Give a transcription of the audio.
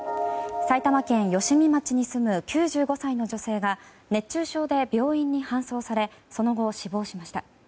埼玉県吉見町に住む９５歳の女性が熱中症で病院に搬送されその後、死亡しました。